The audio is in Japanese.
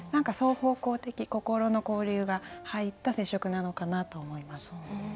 双方向的心の交流が入った接触なのかなと思います。